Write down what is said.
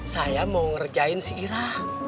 saya mau ngerjain si ira